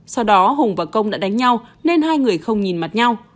sau đó hùng và công đã đánh nhau nên hai người không nhìn mặt nhau